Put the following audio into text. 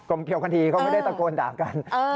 กลมเกลียวกันดีเขาไม่ได้ตะโกนด่างกัน